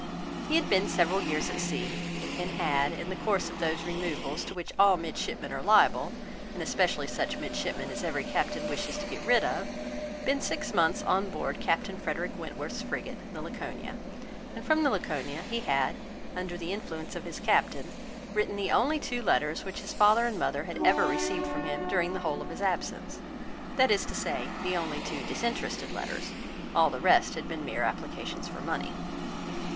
He had been several years at sea, and had, in the course of those removals to which all midshipmen are liable, and especially such midshipmen as every captain wishes to get rid of, been six months on board Captain Frederick Wentworth's frigate, the Laconia; and from the Laconia he had, under the influence of his captain, written the only two letters which his father and mother had ever received from him during the whole of his absence; that is to say, the only two disinterested letters; all the rest had been mere applications for money.